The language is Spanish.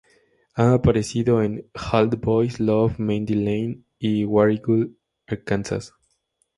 Ha aparecido en "All the Boys Love Mandy Lane", y "War Eagle, Arkansas".